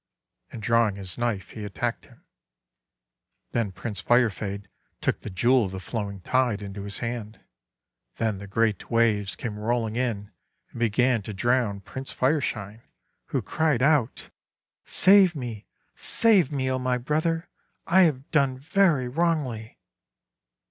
And drawing his knife, he attacked him. Then Prince Firefade took the Jewel of the Flo wing Tide into his hand. Then the great wraves came rolling in, and began to drown Prince Fireshine, who cried out: — 'Save me! Save me, oh my brother! I have done very wrongly!'